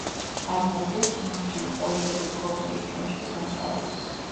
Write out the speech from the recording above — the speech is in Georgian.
წარმოადგენს მარჯნის პოლიპების კოლონიის ჩონჩხის მასალას.